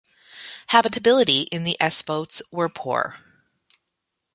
Habitability in the S-boats were poor.